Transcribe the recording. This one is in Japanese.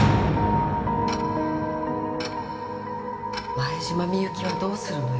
前島美雪はどうするのよ？